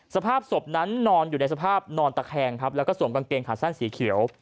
สภาพศพนั้นนอนอยู่ในสภาพนอนตะแคงครับแล้วก็สวมกางเกงขาสั้นสีเขียว